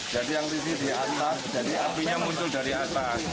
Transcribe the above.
jadi yang di sini di atas apinya muncul dari atas